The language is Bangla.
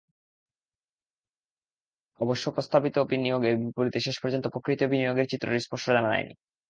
অবশ্য প্রস্তাবিত বিনিয়োগের বিপরীতে শেষ পর্যন্ত প্রকৃত বিনিয়োগের চিত্রটি স্পষ্ট জানা যায়নি।